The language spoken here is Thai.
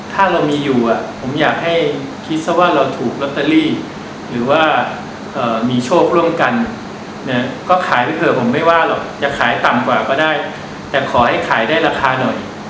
ถ้าเรามีอยู่ผมอยากให้คิดซะว่าเราถูกลอตเตอรี่หรือว่ามีโชคร่วมกันนะก็ขายไว้เถอะผมไม่ว่าหรอกจะขายต่ำกว่าก็ได้แต่ขอให้ขายได้ราคาหน่อย